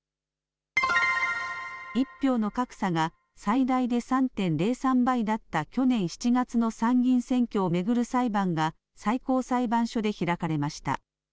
１票の格差が最大で３．０３倍だった去年７月の参議院選挙を巡る裁判が、最高裁判所で開かれました。